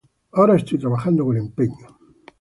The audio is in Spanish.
Ahora estoy trabajando con empeño.